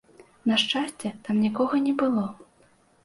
На шчасце, там нікога не было.